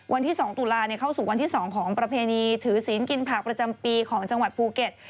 วันที่๒ตุลาเข้าสู่วันที่๒ของประเพณีถือศีลกินผักประจำปีของจังหวัดภูเก็ต